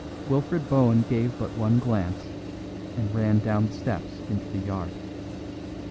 Wilfred Bohun gave but one glance, and ran down the steps into the yard.